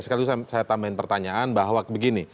sekaligus saya tambahin pertanyaan bahwa begini